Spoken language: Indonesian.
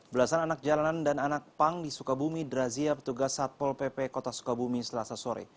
belasan anak jalanan dan anak pang di sukabumi dirazia petugas satpol pp kota sukabumi selasa sore